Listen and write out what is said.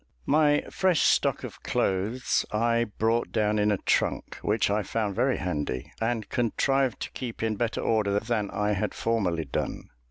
My fresh stock of clothes I brought down in a trunk, which I found very handy, and contrived to keep in better order than I had formerly done.